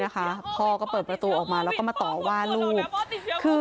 โอ้โหพ่อก็เปิดประตูแล้วก็มาตอว่าลูก